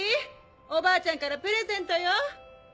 おばあちゃんからプレゼントよ。